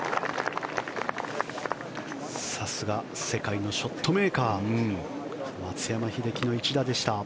さすが世界のショットメーカー松山英樹の一打でした。